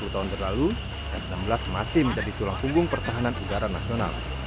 dua puluh tahun berlalu f enam belas masih menjadi tulang punggung pertahanan udara nasional